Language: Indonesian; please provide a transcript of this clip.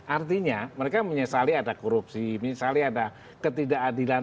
artinya mereka menyesali ada korupsi menyesali ada ketidakadilan